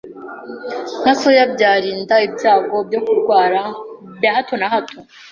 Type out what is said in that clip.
nka soya byarinda ibyago byo kurwara bya hato na hato